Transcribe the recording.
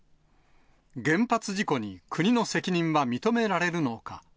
原発事故に国の責任は認められるのか。